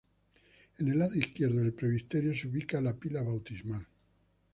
En el lado izquierdo del presbiterio se ubica la pila bautismal.